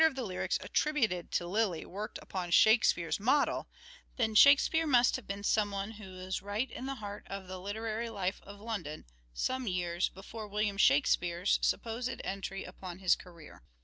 of the lyTics attributed to Lyiy worked upon " Shake speare's " model, then " Shakespeare " must have been some one who was right in the heart of the literary life of London some years before William Shakspere's supposed entry upon his career.